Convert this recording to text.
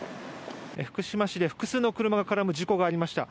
福島市で複数の車が絡む事故がありました。